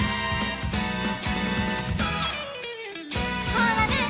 「ほらね」